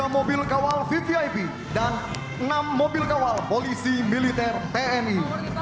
dua mobil kawal vvip dan enam mobil kawal polisi militer tni